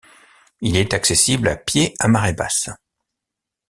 Il est accessible à pied à marée basse.